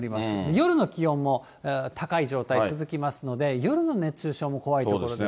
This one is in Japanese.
夜の気温も高い状態続きますので、夜の熱中症も怖いところですね。